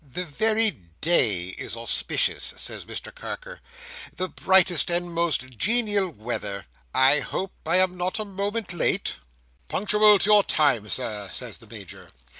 "The very day is auspicious," says Mr Carker. "The brightest and most genial weather! I hope I am not a moment late?" "Punctual to your time, Sir," says the Major.